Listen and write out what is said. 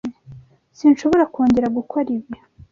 Sinshobora kongera gukora ibi.